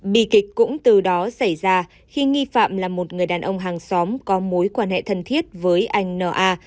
bì kịch cũng từ đó xảy ra khi nghi phạm là một người đàn ông hàng xóm có mối quan hệ thân thiết với anh n a